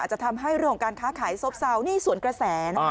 อาจจะทำให้เรื่องการค้าขายซบซาวนี่สวนกระแสนะฮะ